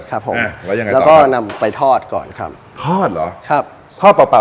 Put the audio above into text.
ครับผมแล้วก็นำไปทอดก่อนครับทอดเหรอครับทอดเปล่า